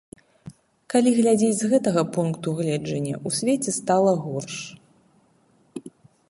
Калі глядзець з гэтага пункту гледжання, у свеце стала горш.